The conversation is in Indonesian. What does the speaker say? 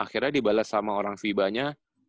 akhirnya dibalas sama orang vibanya